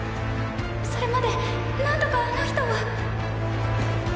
それまでなんとかあの人を。